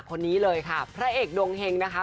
คนนี้เลยค่ะพระเอกดวงเฮงนะคะ